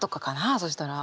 そしたら。